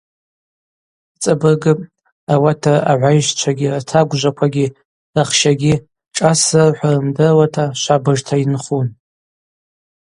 Йцӏабыргыпӏ, ауат дара агӏвайщчвагьи, ртагвжваквагьи, рахщагьи, шӏас зырхӏвауа рымдыруата, швыбыжта йынхун.